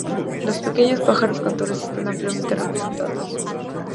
Los pequeños pájaros cantores están ampliamente representados.